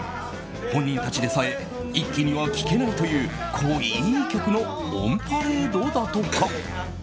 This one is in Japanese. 本人たちでさえ一気には聞けないという濃い曲のオンパレードだとか。